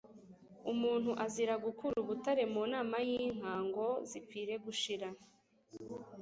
Umuntu azira gukura ubutare mu nama y’inka, ngo zipfira gushira